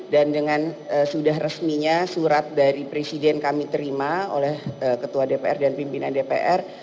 dan dengan sudah resminya surat dari presiden kami terima oleh ketua dpr dan pimpinan dpr